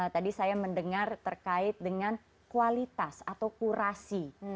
tadi saya mendengar terkait dengan kualitas atau kurasi